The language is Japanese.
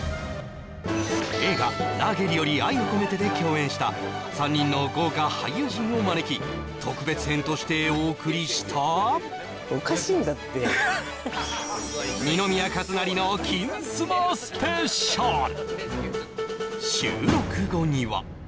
映画「ラーゲリより愛を込めて」で共演した３人の豪華俳優陣を招き特別編としてお送りした「二宮和也の金スマスペシャル」